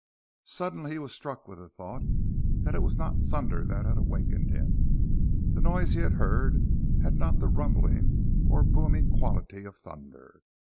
Suddenly he was struck with the thought that it was not thunder that had wakened him. The noise he had heard had not the rumbling or booming quality of thunder.